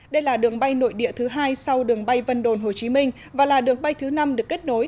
đây là đường bay nội địa thứ hai sau đường bay vân đồn hcm và là đường bay thứ năm được kết nối